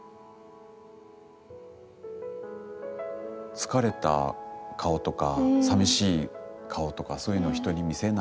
疲れた顔とかさみしい顔とかそういうのは人に見せない？